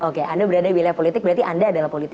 oke anda berada di wilayah politik berarti anda adalah politik